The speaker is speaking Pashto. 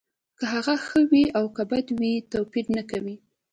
که هغه ښه وي او که بد وي توپیر نه کوي